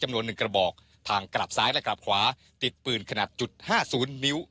จำนวนหนึ่งกระบอกทางกลับซ้ายและกลับขวาติดปืนขนาดจุดห้าศูนย์นิ้ว